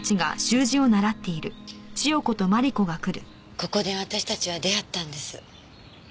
ここで私たちは出会ったんです。